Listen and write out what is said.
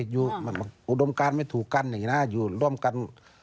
อยู่อุดมการไม่ถูกกันอย่างนี้นะอยู่ร่วมกัน